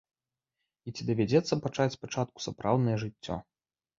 І ці давядзецца пачаць спачатку сапраўднае жыццё?